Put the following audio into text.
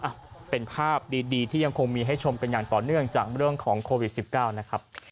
อ่ะเป็นภาพดีที่ยังคงมีให้ชมกันอย่างต่อเนื่องจากเรื่องของโควิด๑๙นะครับ